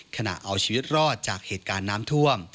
ขณะเอาชีวิตรอดจากเหตุการณ์น้ำท่วม